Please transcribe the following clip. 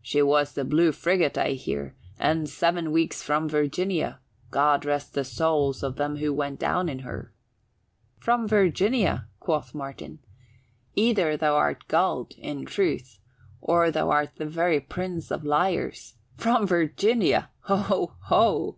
"She was the Blue Friggat, I hear, and seven weeks from Virginia God rest the souls of them who went down in her!" "From Virginia!" quoth Martin. "Either th' art gulled, in truth, or th' art the very prince of liars. From Virginia! Ho ho!"